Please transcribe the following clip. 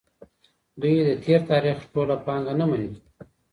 دوی د تېر تاریخ ټوله پانګه نه مني.